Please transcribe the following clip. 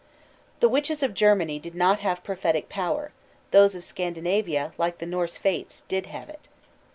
The witches of Germany did not have prophetic power; those of Scandinavia, like the Norse Fates, did have it.